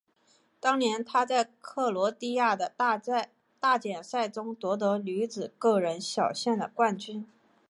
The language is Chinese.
当年她在克罗地亚的大奖赛中夺得女子个人小项的冠军。